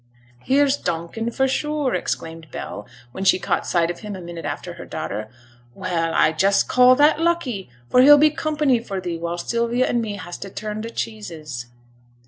'Here's Donkin, for sure!' exclaimed Bell, when she caught sight of him a minute after her daughter. 'Well, I just call that lucky! for he'll be company for thee while Sylvia and me has to turn th' cheeses.'